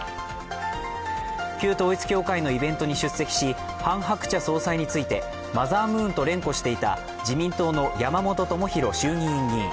旧統一教会のイベントに出席し、ハン・ハクチャ総裁についてマザームーンと連呼していた自民党の山本朋広衆議院議員。